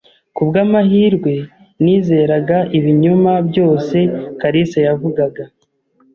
Kubwamahirwe, nizeraga ibinyoma byose kalisa yavugaga.